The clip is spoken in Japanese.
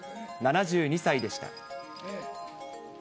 ７２歳でした。